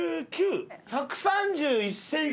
１３１ｃｍ。